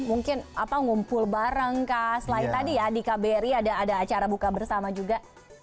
mungkin ngumpul bareng kah selain tadi ya di kbri ada acara buka bersama juga